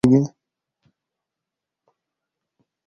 له دې څخه موږ ته د هېواد لرغون توب هم معلوميږي.